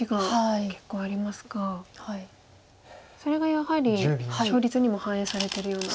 それがやはり勝率にも反映されてるような。